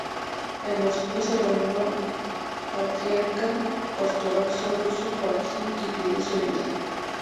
En Moscú se reunió patriarca ortodoxo ruso Joaquín y pidió su ayuda.